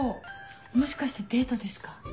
もしかしてデートですか？